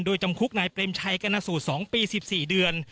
โดยจำคุกนายเปรมชัยกรณสูตร๒ปี๑๔เดือน